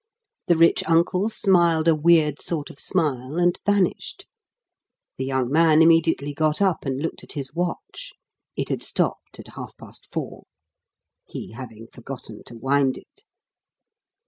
The rich uncle smiled a weird sort of smile and vanished. The young man immediately got up and looked at his watch. It had stopped at half past four, he having forgotten to wind it.